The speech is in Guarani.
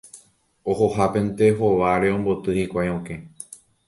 Ohohápente hóvare omboty hikuái okẽ.